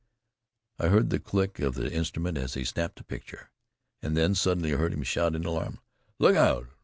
I heard the click of the instrument as he snapped a picture, and then suddenly heard him shout in alarm: "Look out!